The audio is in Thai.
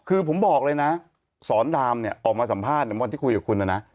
คือผมบอกเลยนะสอนดามเนี่ยออกมาสัมภาษณ์วันที่คุยกับคุณนะนะ